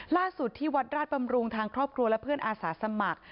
ล่าสุดที่วัดราชบำรุงทางครอบครัวและเพื่อนอาสาสมัคร